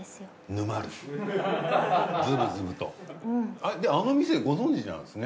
あの店ご存じなんですね。